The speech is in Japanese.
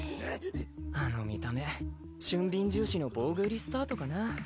あの見た目俊敏重視の防具売りスタートかな。